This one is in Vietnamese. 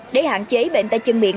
để hạn chế bệnh tay chân miệng